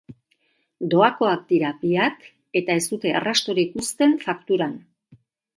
Doakoak dira biak, eta ez dute arrastorik uzten fakturan.